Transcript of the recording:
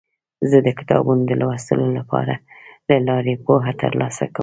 زه د کتابونو د لوستلو له لارې پوهه ترلاسه کوم.